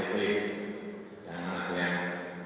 ini tidak kuat sekali